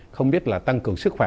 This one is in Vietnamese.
không biết là tăng cường sức khỏe